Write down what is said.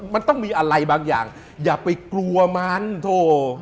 มันต้องมีอะไรบางอย่างอย่าไปกลัวมันโถ